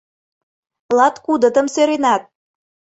Латкудытым сӧренат!